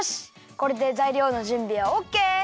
これでざいりょうのじゅんびはオッケー！